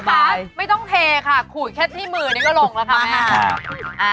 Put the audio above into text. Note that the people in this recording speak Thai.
แม่คะไม่ต้องเทค่ะขุนแค่ที่มือก็ลงแล้วทำไมคะ